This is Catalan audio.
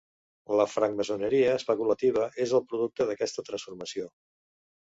La francmaçoneria especulativa és el producte d'aquesta transformació.